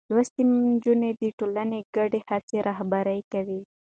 لوستې نجونې د ټولنې ګډې هڅې رهبري کوي.